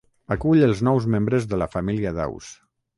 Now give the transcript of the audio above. Acull els nous membres de la família d'aus.